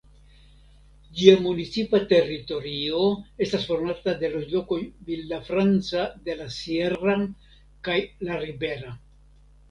Ĝia municipa teritorio estas formata de loĝlokoj Villafranca de la Sierra kaj La Ribera.